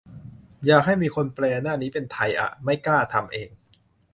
อยากให้มีคนแปลหน้านี้เป็นไทยอ่ะ ไม่กล้าทำเอง